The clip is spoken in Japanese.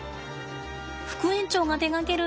副園長が手がける擬